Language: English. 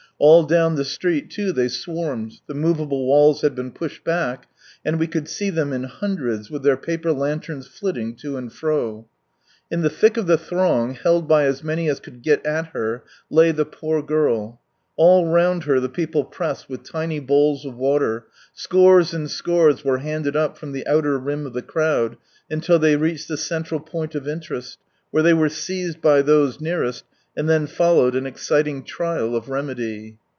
All down the street too, they swarmed, the movable walls had been pushed back, and we could see them in hundreds, with their paper lanterns flitting to and fro. In the thick of the throng, held by as many as cotild get at her, lay the poor girl ; all round her the people pressed with tiny bowls of water, scores and scores were handed up from the outer rim of the crowd, until they reached the central point of interest, where they were seized by those nearest, and then followed an exciting trial of remedy.